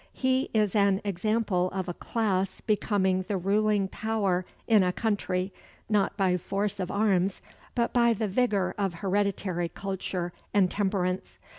He is an example of a class becoming the ruling power in a country, not by force of arms, but by the vigor of hereditary culture and temperance.